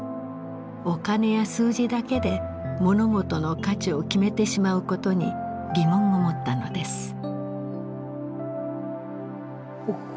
お金や数字だけで物事の価値を決めてしまうことに疑問を持ったのです。